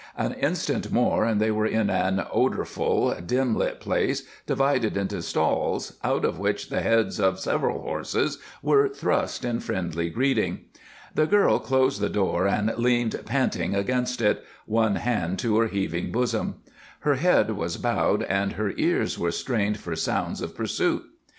An instant more and they were in an odorful, dim lit place divided into stalls out of which the heads of several horses were thrust in friendly greeting. The girl closed the door and leaned panting against it, one hand to her heaving bosom. Her head was bowed and her ears were strained for sounds of pursuit.